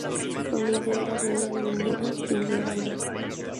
Su familia era dueña de viñedos y vendía ganado.